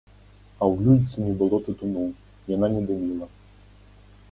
А ў люльцы не было тытуну, яна не дыміла.